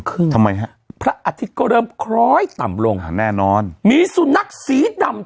ทำไมฮะพระอาทิตย์ก็เริ่มคล้อยต่ำลงแน่นอนมีสุนัขสีดำ